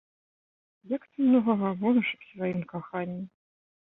Як ты многа гаворыш аб сваім каханні.